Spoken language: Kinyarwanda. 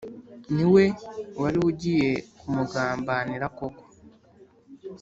niwe wari ugiye kumugambanira koko